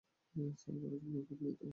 Sir, পরিকল্পনায় খুঁত নেই তো?